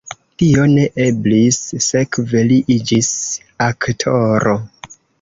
Tio ne eblis, sekve li iĝis aktoro.